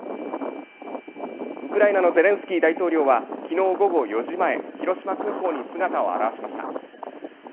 ウクライナのゼレンスキー大統領はきのう午後４時前、広島空港に姿を現しました。